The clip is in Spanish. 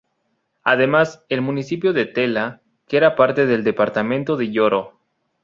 Además, el municipio de Tela que era parte del departamento de Yoro.